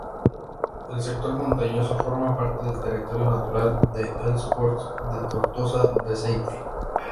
El sector montañoso forma parte del territorio natural de Els Ports de Tortosa-Beceite.